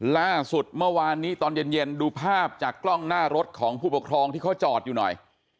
ล่าสุดเมื่อวานนี้ตอนเย็นดูภาพจากกล้องหน้ารถของผู้ปกครองที่เขาจอดอยู่หน่อย